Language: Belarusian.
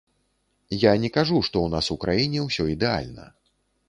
Я не кажу, што ў нас у краіне ўсё ідэальна.